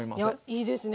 いいですね。